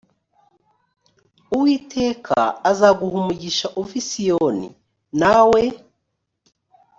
uwiteka azaguha umugisha uva i siyoni nawe